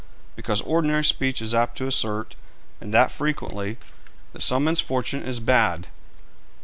'Because ordinary speech is apt to assert, and that frequently, that some men's fortune is bad.'